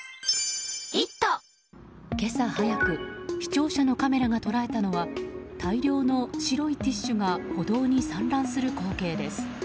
今朝早く視聴者のカメラが捉えたのは大量の白いティッシュが歩道に散乱する光景です。